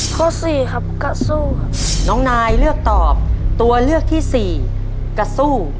ข้อสี่ครับกะสู้ครับน้องนายเลือกตอบตัวเลือกที่สี่กระสู้